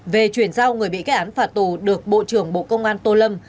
về chuyển giao người bị kết án phạt tù được bộ trưởng bộ công an tô lâm